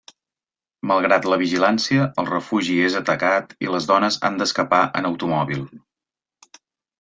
Malgrat la vigilància, el refugi és atacat i les dones han d'escapar en automòbil.